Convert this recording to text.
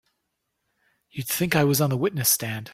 You'd think I was on the witness stand!